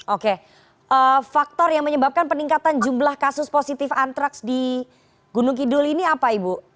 oke faktor yang menyebabkan peningkatan jumlah kasus positif antraks di gunung kidul ini apa ibu